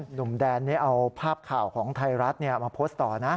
หนุ่มแดนนี้เอาภาพข่าวของไทยรัฐมาโพสต์ต่อนะ